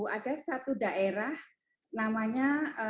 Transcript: ada satu daerah namanya